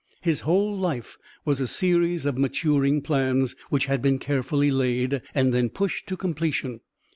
His whole life was a series of maturing plans, which had been carefully laid, and then pushed to completion.